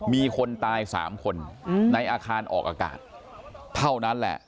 มีคนตาย๓คนในอาคารออกอากาศเท่านั้นแหละ